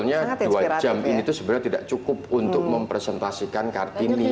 dan buat saya sebetulnya dua jam ini itu sebenarnya tidak cukup untuk mempresentasikan kartini